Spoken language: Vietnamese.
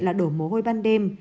là đổ mồ hôi ban đêm